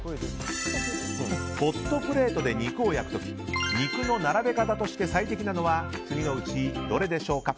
ホットプレートで肉を焼く時肉の並べ方として最適なのは次のうちどれでしょうか？